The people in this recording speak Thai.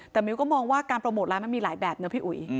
แต่มิวก็มองว่าการโปรโมทร้านมันมีหลายแบบนะพี่อุ๋ย